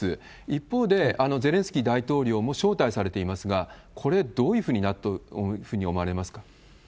一方で、ゼレンスキー大統領も招待されていますが、これ、どういうふうになるというふうに思われますか？